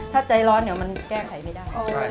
ถ้าใจร้อนเดี๋ยวมันแก้ไขไม่ได้